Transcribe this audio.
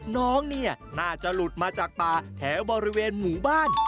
น้องเนี่ยน่าจะหลุดมาจากป่าแถวบริเวณหมู่บ้าน